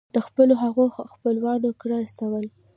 د خپلو هغو خپلوانو کره استول.